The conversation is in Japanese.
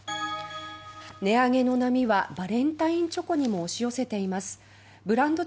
値上げの波はバレンタインチョコにも押し寄せています。